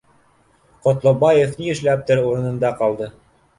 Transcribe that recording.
Ҡотлобаев ни эшләптер урынында ҡалды